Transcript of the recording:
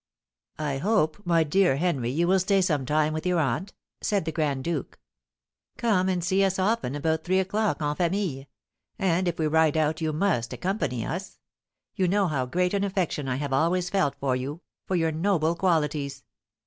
"I hope, my dear Henry, you will stay some time with your aunt," said the grand duke. "Come and see us often about three o'clock en famille; and if we ride out you must accompany us. You know how great an affection I have always felt for you, for your noble qualities."